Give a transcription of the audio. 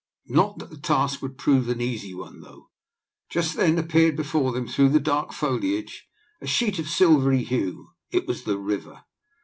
Not that the task would prove an easy one though. Just then appeared before them through the dark foliage a sheet of silvery hue; it was the river.